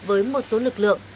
với một số lực lượng